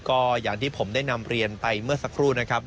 ก็อย่างที่ผมได้นำเรียนไปเมื่อสักครู่นะครับ